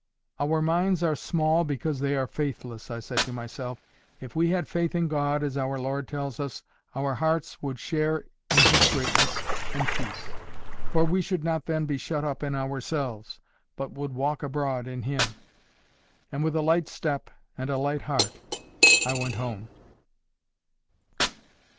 "Our minds are small because they are faithless," I said to myself. "If we had faith in God, as our Lord tells us, our hearts would share in His greatness and peace. For we should not then be shut up in ourselves, but would walk abroad in Him." And with a light step and a light heart I went home.